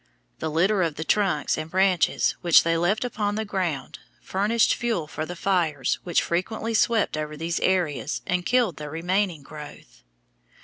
The litter of the trunks and branches which they left upon the ground furnished fuel for the fires which frequently swept over these areas and killed the remaining growth.